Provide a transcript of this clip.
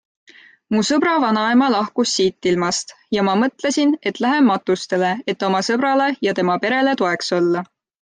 Mu sõbra vanaema lahkus siitilmast ja ma mõtlesin, et lähen matustele, et oma sõbrale ja tema perele toeks olla.